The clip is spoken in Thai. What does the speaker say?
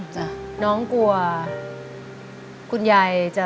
จัง